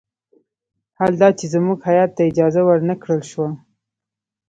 حال دا چې زموږ هیات ته اجازه ور نه کړل شوه.